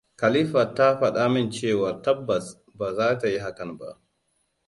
Khalifat ta faɗa min cewar tabbas ba za ta yi hakan ba.